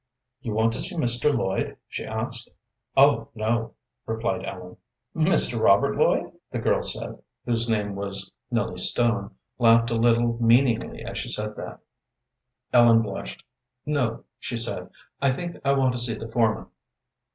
"You want to see Mr. Lloyd?" she asked. "Oh no!" replied Ellen. "Mr. Robert Lloyd?" The girl, whose name was Nellie Stone, laughed a little meaningly as she said that. Ellen blushed. "No," she said. "I think I want to see the foreman."